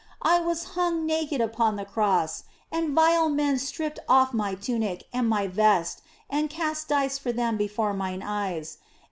I was hung naked upon the Cross, and vile men stripped off My tunic and My vest and cast dice for them before Mine eyes.